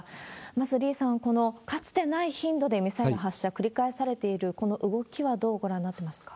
まず、李さん、このかつてない頻度でミサイルを発射繰り返されている、この動きはどうご覧になってますか？